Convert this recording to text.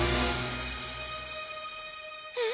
えっ！？